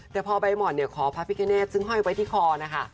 แต่พอใบหม่อนขอพระพิกาเนตซึ่งห้อยไว้ที่คอนะคะ